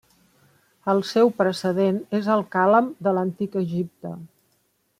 El seu precedent és el càlam de l'antic Egipte.